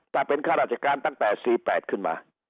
ถ้าเป็นข้าราชการตั้งแต่๔๘ขึ้นมา